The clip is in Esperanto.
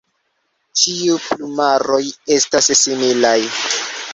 Ĉiu plumaroj estas similaj.